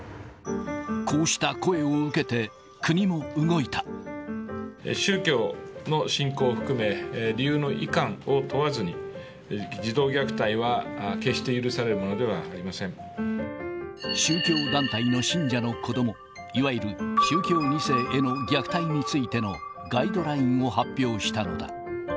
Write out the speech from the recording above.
こうした声を受けて、国も動宗教の信仰を含め、理由のいかんを問わずに、児童虐待は決して許されるものではあり宗教団体の信者の子ども、いわゆる宗教２世への虐待についてのガイドラインを発表したのだ。